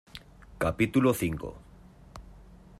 capítulo cinco.